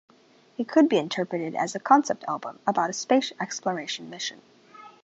It could be interpreted as a concept album about a space exploration mission.